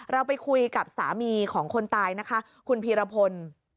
เราไปคุยกับสามีของคนตายนะคะคุณพีรพล